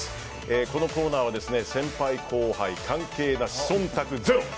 このコーナーは先輩・後輩関係なし忖度ゼロ。